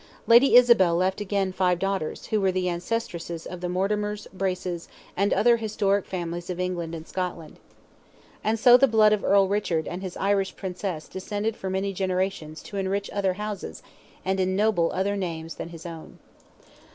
Lady Isabel left again five daughters, who were the ancestresses of the Mortimers, Braces, and other historic families of England and Scotland. And so the blood of Earl Richard and his Irish Princess descended for many generations to enrich other houses and ennoble other names than his own.